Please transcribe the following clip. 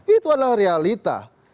itu adalah realita